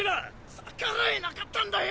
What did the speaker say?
逆らえなかったんだよ。